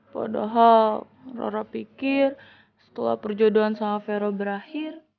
padahal roro pikir setelah perjodohan sama vero berakhir